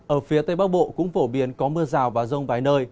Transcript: ở phía tây bắc bộ cũng phổ biến có mưa rào và rông vài nơi